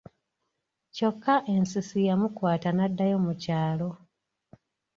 Kyokka ensisi yamukwata n'addayo mu kyalo!